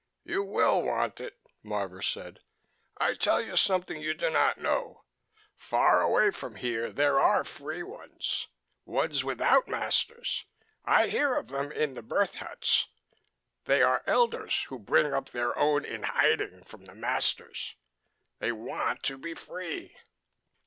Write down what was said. "You will want it," Marvor said. "I tell you something you do not know. Far away from here there are free ones. Ones without masters. I hear of them in the Birth Huts: they are elders who bring up their own in hiding from the masters. They want to be free."